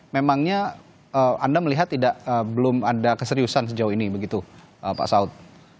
memangnya anda melihat belum ada keseriusan sejauh ini begitu pak saud